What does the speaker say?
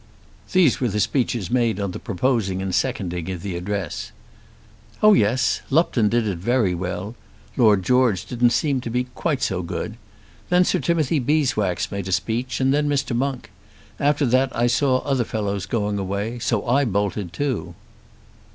These were the speeches made on the proposing and seconding of the address. "Oh, yes; Lupton did it very well. Lord George didn't seem to be quite so good. Then Sir Timothy Beeswax made a speech, and then Mr. Monk. After that I saw other fellows going away, so I bolted too."